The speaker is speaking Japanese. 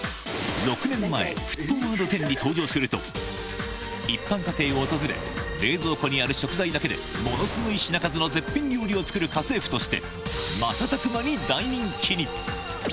６年前、沸騰ワード１０に登場すると、一般家庭を訪れ、冷蔵庫にある食材だけで、ものすごい品数の絶品料理を作る家政婦として、瞬く間に大人気に。